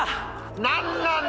何なんだ？